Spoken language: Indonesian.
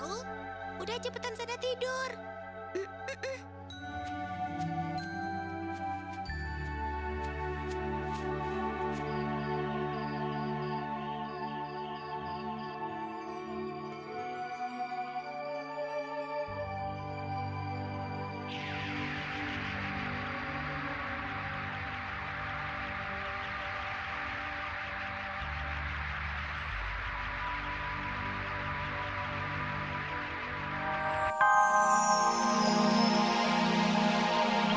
besok pagi kamu juga akan tahu